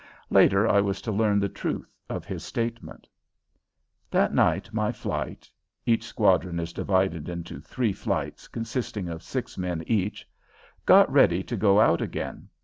Later I was to learn the truth of his statement. That night my "flight" each squadron is divided into three flights consisting of six men each got ready to go out again.